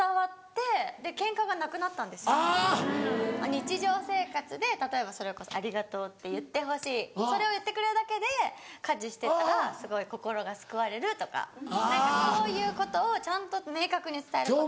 日常生活で例えばそれこそ「ありがとう」って言ってほしいそれを言ってくれるだけで家事してたらすごい心が救われるとか何かそういうことをちゃんと明確に伝えることで。